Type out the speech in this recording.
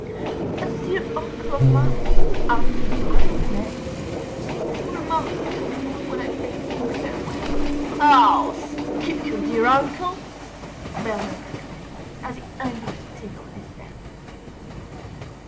"A dear uncle of mine (after whom I was named) Â Â Â Â Remarked, when I bade him farewell—" "Oh, skip your dear uncle!" the Bellman exclaimed, Â Â Â Â As he angrily tingled his bell.